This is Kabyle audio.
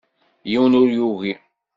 Yiwen ur yugi.